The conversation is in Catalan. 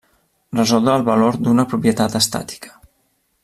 Resoldre el valor d'una propietat estàtica.